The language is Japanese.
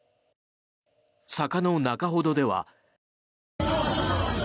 坂の中ほどでは。